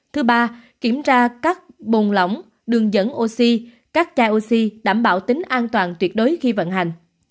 thứ ba kiểm tra các bồn lỏng đường dẫn oxy các chai oxy đảm bảo tính an toàn tuyệt đối khi vận hành